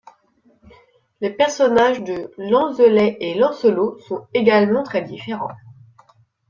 Les personnages de Lanzelet et Lancelot sont également très différents.